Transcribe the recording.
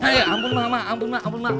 hei ampun mbak ampun mbak ampun mbak